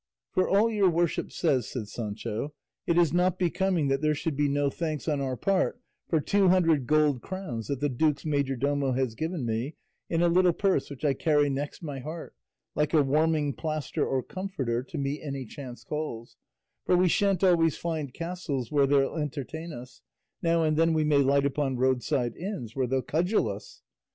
"For all your worship says," said Sancho, "it is not becoming that there should be no thanks on our part for two hundred gold crowns that the duke's majordomo has given me in a little purse which I carry next my heart, like a warming plaster or comforter, to meet any chance calls; for we shan't always find castles where they'll entertain us; now and then we may light upon roadside inns where they'll cudgel us."